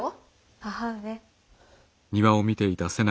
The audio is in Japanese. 母上。